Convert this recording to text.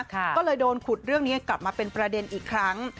ก็เลยโดนขุดเรื่องนี้กลับมาเป็นประเด็นอีกครั้ง